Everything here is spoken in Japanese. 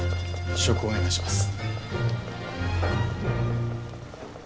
試食をお願いします。